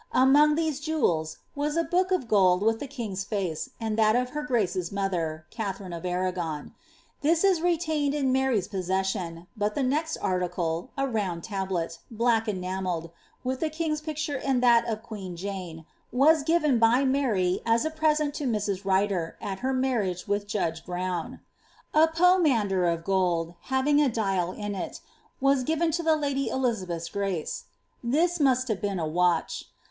Among these jevrela was a *• book of gold with the king's face, and thai of her grace's tnother (Katharine of Arragonl." This is retained in Mary's [msses •km; bot the ncxi arliclo, a round tablet, black enamelled, with the lung's picture and thai of queen Jane, was given by Maiy> »■& 9\«Mn\%. t j Mrs. Ryder, at her marriage with Judge Browit. "X foraMn^et ^ lieh M ras ^ 103 MART. roUU havinj? a dial in it,'' was given ^ to the lady Elizabeth^ gnee.' This must have been a watch.